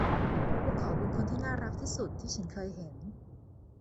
พวกเขาเป็นคนที่น่ารักที่สุดที่ฉันเคยเห็น